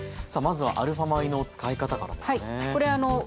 さあまずはアルファ米の使い方からですね。